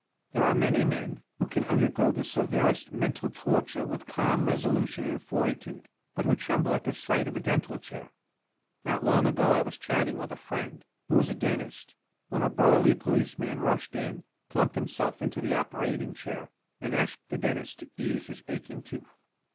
There are many men, who can undergo the severest mental torture with calm resolution and fortitude, but who tremble at the sight of a dental chair. Not long ago I was chatting with a friend, who is a dentist, when a burly policeman rushed in, plumped himself into the operating chair and asked the dentist to ease his aching tooth.